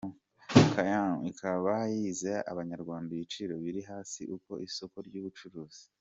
Kaymu ikaba yizeza abanyarwanda ibiciro biri hasi ku isoko ry'ubucuruzi.